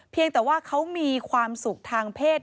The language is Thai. เพียงแต่ว่าเขามีความสุขทางเพศ